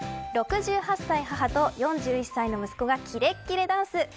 ６８歳母と４２歳の息子がキレッキレダンス。